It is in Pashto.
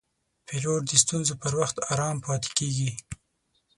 پیلوټ د ستونزو پر وخت آرام پاتې کېږي.